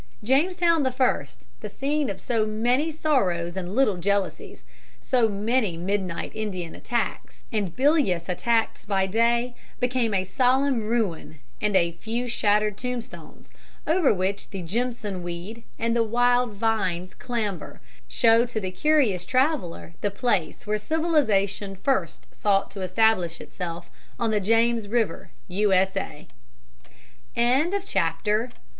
Jamestown the first, the scene of so many sorrows and little jealousies, so many midnight Indian attacks and bilious attacks by day, became a solemn ruin, and a few shattered tombstones, over which the jimson weed and the wild vines clamber, show to the curious traveller the place where civilization first sought to establish itself on the James River, U.S.A. The author wishes to refer with